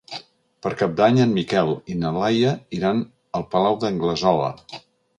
Per Cap d'Any en Miquel i na Laia iran al Palau d'Anglesola.